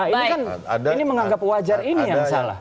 ini kan menganggap wajar ini yang salah